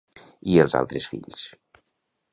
I els altres fills?